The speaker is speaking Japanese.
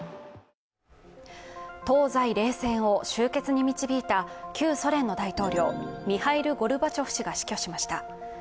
東西冷戦を終結に導いた旧ソ連の大統領ミハイル・ゴルバチョフ氏が死去しました。